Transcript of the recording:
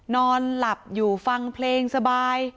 นอนหลับอยู่ฟังเพลงสบาย